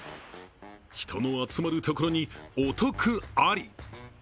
人の集まるところにお得あり！